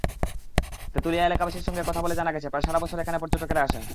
তেঁতুলিয়া এলাকাবাসীর সঙ্গে কথা বলে জানা গেছে, প্রায় সারা বছর এখানে পর্যটকেরা আসেন।